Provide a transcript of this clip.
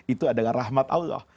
itu adalah rahmat allah